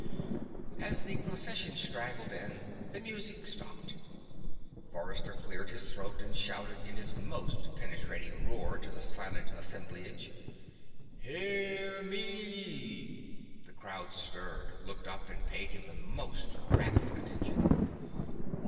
As the Procession straggled in, the music stopped. Forrester cleared his throat and shouted in his most penetrating roar to the silent assemblage: "Hear me!" The crowd stirred, looked up and paid him the most rapt attention.